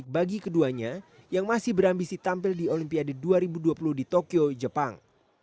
bagi keduanya yang masih berambisi tampil di olimpiade dua ribu dua puluh di tokyo jepang